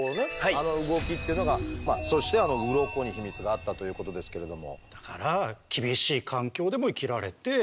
あの動きっていうのがそしてあのウロコに秘密があったということですけれども。